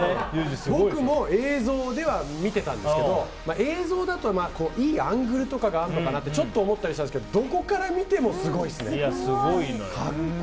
僕も映像では見てたんですけど映像だと、いいアングルとかがあるのかなってちょっと思ったりしたんですけどどこから見てもすごいですね。